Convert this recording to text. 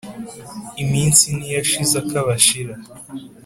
iminsi ntiyashize akabashira